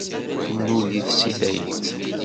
Tennul-it seg tayet.